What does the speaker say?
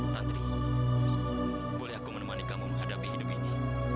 tantri boleh aku menemani kamu menghadapi hidup ini